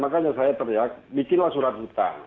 makanya saya teriak bikinlah surat hutang